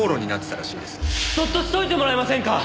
そっとしといてもらえませんか？